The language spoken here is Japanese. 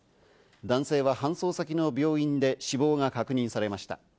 男性は搬送先の病院で死亡が確認されました。